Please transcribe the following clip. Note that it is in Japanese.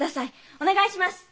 お願いします！